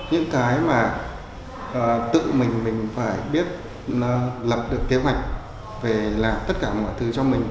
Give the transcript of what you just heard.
những cái mà tự mình mình phải biết lập được kế hoạch về làm tất cả mọi thứ cho mình